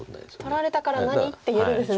「取られたから何？」って言えるんですね。